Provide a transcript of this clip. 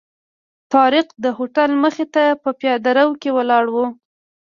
طارق د هوټل مخې ته په پیاده رو کې ولاړ و.